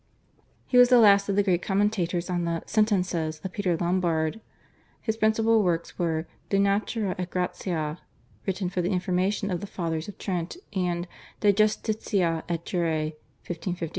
He was the last of the great commentators on the /Sentences/ of Peter Lombard. His principal works were /De Natura et Gratia/, written for the information of the Fathers of Trent and /De Justitia et Jure/ (1556).